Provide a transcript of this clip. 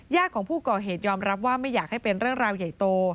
ของผู้ก่อเหตุยอมรับว่าไม่อยากให้เป็นเรื่องราวใหญ่โต